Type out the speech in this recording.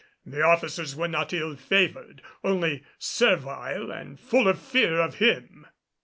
The officers were not ill favored, only servile and full of fear of him.